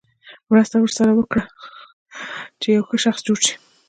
مرسته ورسره وکړه چې یو ښه شخص جوړ شي.